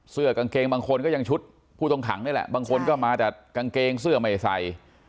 เสื้อกางเกงบางคนก็ยังชุดผู้ต้องขังนี่แหละบางคนก็มาแต่กางเกงเสื้อไม่ใส่